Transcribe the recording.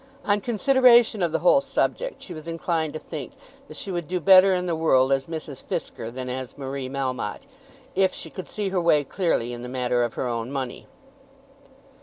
On consideration of the whole subject she was inclined to think that she would do better in the world as Mrs. Fisker than as Marie Melmotte, if she could see her way clearly in the matter of her own money.